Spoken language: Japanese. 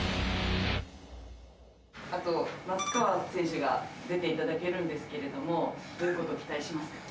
あと松川選手が出て頂けるんですけれどもどういう事を期待しますか？